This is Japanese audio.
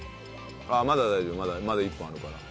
まだ大丈夫まだ１分あるから。